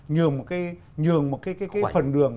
nhường một cái phần đường